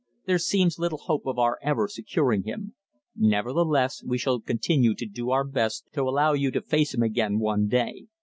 There seems little hope of our ever securing him. Nevertheless we shall continue to do our best to allow you to face him again one day.